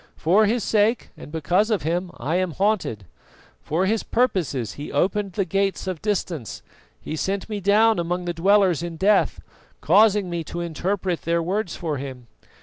For his sake and because of him I am haunted. For his own purposes he opened the gates of Distance, he sent me down among the dwellers in Death, causing me to interpret their words for him.